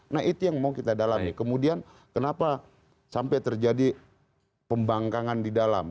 nah itu yang mau kita dalami kemudian kenapa sampai terjadi pembangkangan di dalam